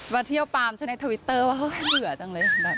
มาเที่ยวปามฉันในทวิตเตอร์ว่าเฮ้ยเบื่อจังเลย